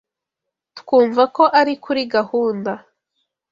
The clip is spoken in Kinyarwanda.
Twumva ko ari kuri gahunda.